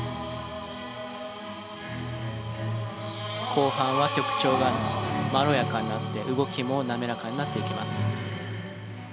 後半は曲調がまろやかになって動きも滑らかになっていきます。